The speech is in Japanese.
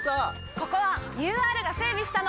ここはＵＲが整備したの！